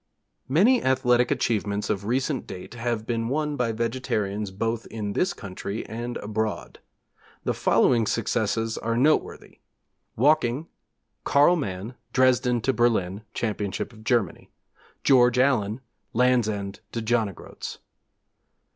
Many athletic achievements of recent date have been won by vegetarians both in this country and abroad. The following successes are noteworthy: Walking: Karl Mann, Dresden to Berlin, Championship of Germany; George Allen, Land's End to John o' Groats.